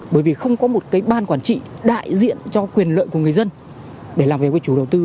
bởi vì không có một cái ban quản trị đại diện cho quyền lợi của người dân để làm việc với chủ đầu tư